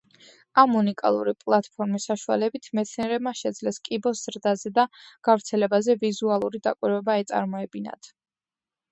ამ უნიკალური პლატფორმის საშუალებით, მეცნიერებმა შეძლეს კიბოს ზრდაზე და გავრცელებაზე ვიზუალური დაკვირვება ეწარმოებინათ.